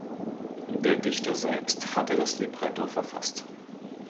Der Dichter selbst hatte das Libretto verfasst.